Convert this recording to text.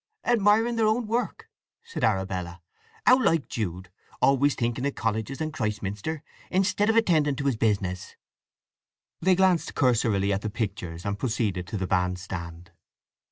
"Admiring their own work," said Arabella. "How like Jude—always thinking of colleges and Christminster, instead of attending to his business!" They glanced cursorily at the pictures, and proceeded to the band stand.